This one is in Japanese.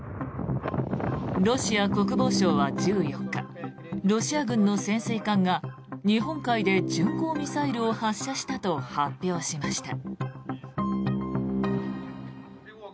ロシア国防省は１４日ロシア軍の潜水艦が日本海で巡航ミサイルを発射したと発表しました。